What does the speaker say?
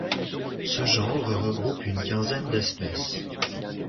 Ce genre regroupe une quinzaine d'espèces.